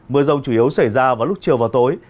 mưa rông chủ yếu xảy ra vào lúc chiều và tối